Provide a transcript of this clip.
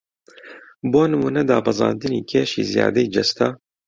بۆ نموونە دابەزاندنی کێشی زیادەی جەستە